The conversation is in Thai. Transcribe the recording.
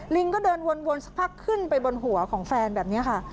ก็เดินวนสักพักขึ้นไปบนหัวของแฟนแบบนี้ค่ะ